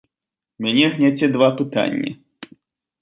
Мяне гняце два пытанні.